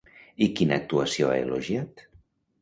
I quina actuació ha elogiat?